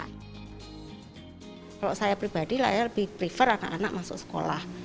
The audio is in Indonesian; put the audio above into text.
kalau saya pribadi lah ya lebih prefer anak anak masuk sekolah